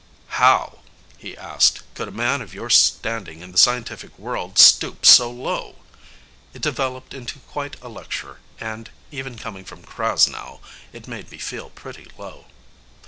"How," he asked, "could a man of your standing in the scientific world stoop so low?" It developed into quite a lecture and, even coming from Krasnow, it made me feel pretty low.